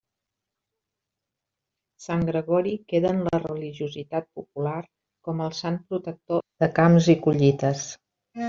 Sant Gregori queda en la religiositat popular com el sant protector de camps i collites.